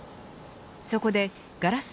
そこでガラス